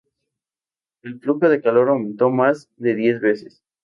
El flujo de calor aumentó más de diez veces.